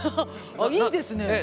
あっいいですね。